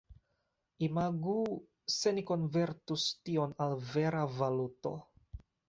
Imagu se ni konvertus tion al vera valuto.